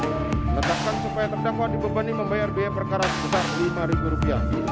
menetapkan supaya terdakwa dibebani membayar biaya perkara sebesar rp lima